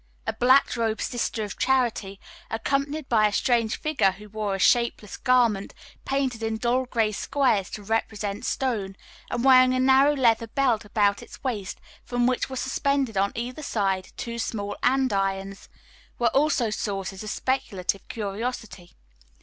A black robed sister of charity, accompanied by a strange figure who wore a shapeless garment painted in dull gray squares to represent stone, and wearing a narrow leather belt about its waist from which was suspended on either side two small andirons, were also sources of speculative curiosity.